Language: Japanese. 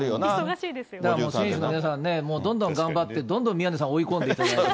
選手の皆さんね、どんどんどんどん頑張って、どんどん宮根さん、追い込んでいってもらいたい。